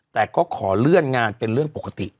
แต่ก็ขอเลื่อนงานเป็นเรื่องปกติ